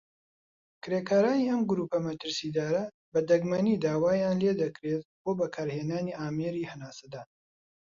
کرێکارانی ئەم گرووپە مەترسیدارە بە دەگمەنی داوایان لێدەکرێت بۆ بەکارهێنانی ئامێری هەناسەدان.